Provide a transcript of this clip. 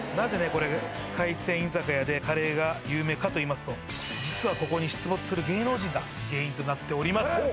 これ海鮮居酒屋でカレーが有名かといいますと実はここに出没する芸能人が原因となっております